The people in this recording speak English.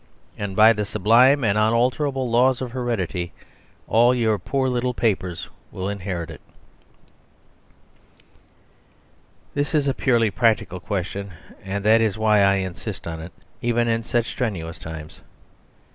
And by the sublime and unalterable laws of heredity, all your poor little papers will inherit it." This is a purely practical question; and that is why I insist on it, even in such strenuous times.